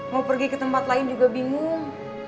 mau pergi ke tempat lain juga bingung